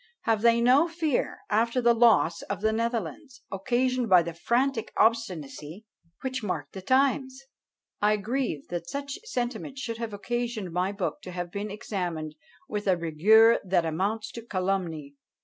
Have they no fear after the loss of the Netherlands, occasioned by the frantic obstinacy which marked the times? I grieve that such sentiments should have occasioned my book to have been examined with a rigour that amounts to calumny."